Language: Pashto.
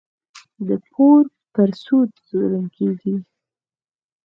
د پور پر سود ظلم کېږي.